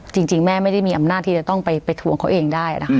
จริงแม่ไม่ได้มีอำนาจที่จะต้องไปทวงเขาเองได้นะคะ